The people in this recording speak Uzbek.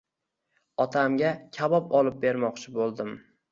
otamga kabob olib bermoqchi bo‘ldim.